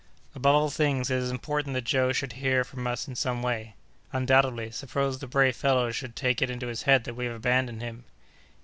"Above all things, it is important that Joe should hear from us in some way." "Undoubtedly. Suppose the brave fellow should take it into his head that we have abandoned him?"